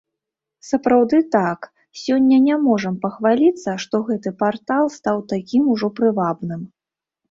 Сапраўды так, сёння не можам пахваліцца, што гэты партал стаў такім ужо прывабным.